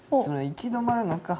「行き止まるのか」